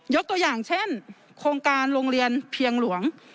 ตัวอย่างเช่นโครงการโรงเรียนเพียงหลวง